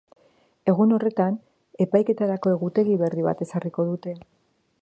Egun horretan epaiketarako egutegi berri bat ezarriko dute.